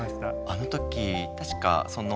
あの時確かその。